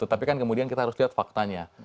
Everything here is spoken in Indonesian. tapi kan kemudian kita harus lihat faktanya